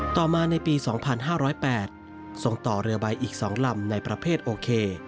ต่อมาในปี๒๕๐๘ส่งต่อเรือใบอีก๒ลำในประเภทโอเค